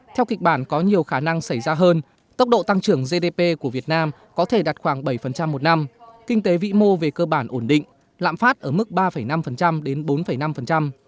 theo kịch bản có nhiều khả năng xảy ra hơn tốc độ tăng trưởng gdp của việt nam có thể đạt khoảng bảy một năm kinh tế vĩ mô về cơ bản ổn định lạm phát ở mức ba năm đến bốn năm